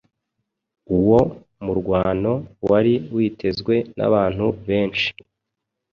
Uwo murwano wari witezwe n’abantu benshi